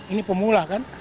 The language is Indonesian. ini pemula kan